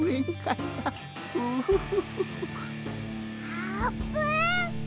あーぷん。